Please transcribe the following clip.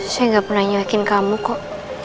saya gak pernah nyelekin kamu kok